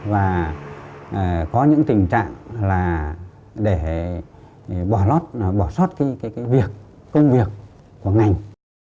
và có những tình trạng là để bỏ lót bỏ sót cái việc công việc của ngành